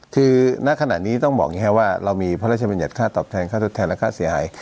คือณขณะนี้ต้องบอกอย่างนี้ครับว่าเรามีพระราชบัญญัติค่าตอบแทนค่าทดแทนและค่าเสียหาย